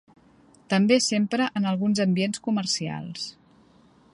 També s'empra en alguns ambients comercials.